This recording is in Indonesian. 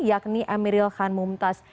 yakni emeril khan mumtaz